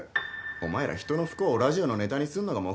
お前ら人の不幸をラジオのネタにすんのが目的だろ？